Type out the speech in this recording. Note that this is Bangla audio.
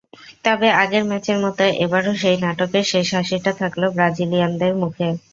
তবে আগের ম্যাচের মতো এবারও সেই নাটকের শেষ হাসিটা থাকল ব্রাজিলিয়ানদের মুখে।